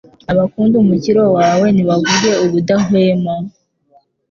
Abakunda umukiro wawe nibavuge ubudahwema